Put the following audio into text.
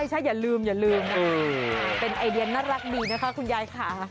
ใช่อย่าลืมเป็นไอเดียนน่ารักดีนะคะคุณยายค่ะ